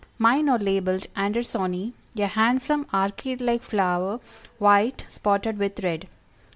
Mine are labeled Andersonii, "a handsome orchid like flower, white, spotted with red."